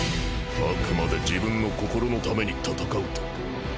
あくまで自分の心のために戦うと？